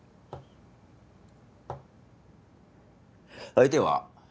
相手は？